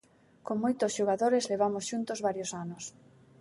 Con moitos xogadores levamos xuntos varios anos.